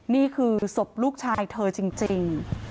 นี่คือศพลูกชายเธอจริง